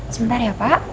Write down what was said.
sebentar ya pak